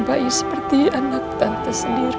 bayi seperti anak tante sendiri